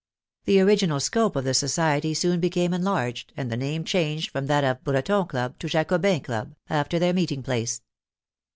The original scope of the society soon became enlarged, and the name changed from that of Breton Club to Jacobins' Club, after their meeting place.